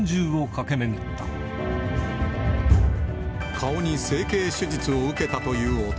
顔に整形手術を受けたという男。